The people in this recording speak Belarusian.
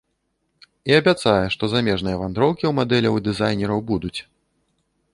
І абяцае, што замежныя вандроўкі ў мадэляў і дызайнераў будуць.